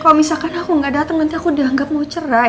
kalau misalkan aku gak datang nanti aku dianggap mau cerai